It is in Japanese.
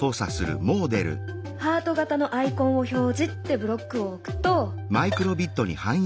「ハート形のアイコンを表示」ってブロックを置くと。